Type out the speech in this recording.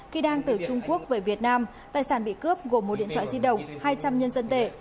khi đang từ trung quốc về việt nam tài sản bị cướp gồm một điện thoại di động hai trăm linh nhân dân tệ